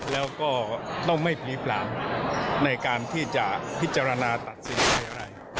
แล้วก็ต้องไม่ผีปลางในการที่จะพิจารณาตัดสินใจอะไร